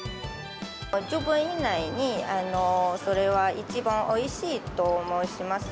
１０分以内に、それは一番おいしいと申します。